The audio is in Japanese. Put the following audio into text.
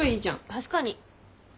確かに。